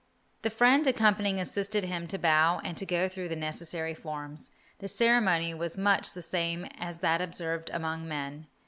The friend accompanying assisted him to bow and to go through the necessary forms. The ceremony was much the same as that observed among men.